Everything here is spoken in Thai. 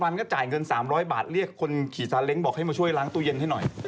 วันก็จ่ายเงิน๓๐๐บาทเรียกคนขี่ซาเล้งบอกให้มาช่วยล้างตู้เย็นให้หน่อย